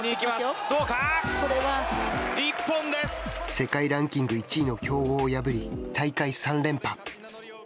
世界ランキング１位の強豪を破り、大会３連覇。